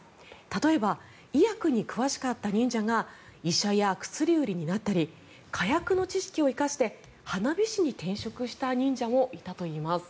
例えば、医薬に詳しかった忍者が医者や薬売りになったり火薬の知識を生かして花火師に転職した忍者もいたといいます。